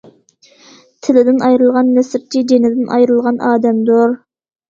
تىلدىن ئايرىلغان نەسرچى جېنىدىن ئايرىلغان ئادەمدۇر.